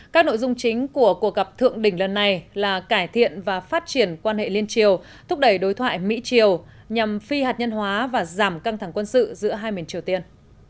các nội dung chính của cuộc gặp thượng đỉnh lần này là cải thiện và phát triển quan hệ liên triều thúc đẩy đối thoại mỹ triều nhằm phi hạt nhân hóa và giảm căng thẳng quân sự giữa hai miền triều tiên